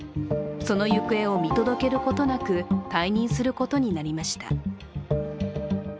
その行方を見届けることなく退任することになりました。